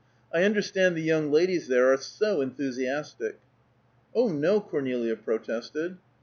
I understand the young ladies there are so enthusiastic." "Oh, no," Cornelia protested.